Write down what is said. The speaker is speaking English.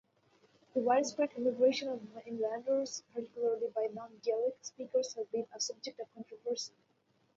The widespread immigration of mainlanders, particularly non-Gaelic speakers, has been a subject of controversy.